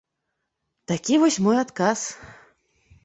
Такі вось мой адказ.